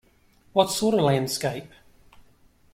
What sort of landscape?